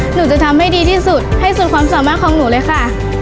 หนูจะทำให้ดีที่สุดให้สุดความสามารถของหนูเลยค่ะ